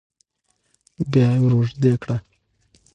بيا وراوږدې کړه